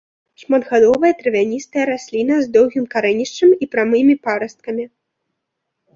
Шматгадовая травяністая расліна з доўгім карэнішчам і прамымі парасткамі.